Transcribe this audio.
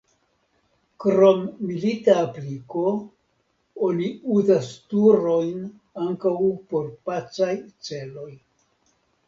Krom milita apliko, oni uzas turojn ankaŭ por pacaj celoj.